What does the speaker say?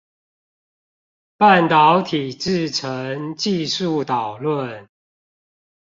半導體製程技術導論